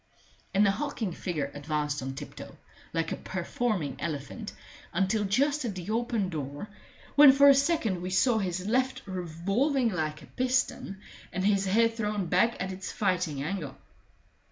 And the hulking figure advanced on tiptoe, like a performing elephant, until just at the open door, when for a second we saw his left revolving like a piston and his head thrown back at its fighting angle.